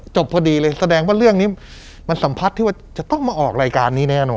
พอดีเลยแสดงว่าเรื่องนี้มันสัมผัสที่ว่าจะต้องมาออกรายการนี้แน่นอน